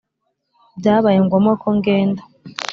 Byabaye ngombwa ko ngenda